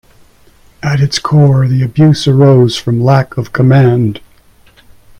At its core, the abuse arose from lack of command.